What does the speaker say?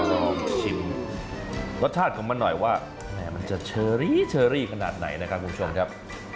ลองชิมรสชาติของมันหน่อยว่ามันจะเชอรี่เชอรี่ขนาดไหนนะครับคุณผู้ชมครับ